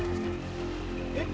えっ？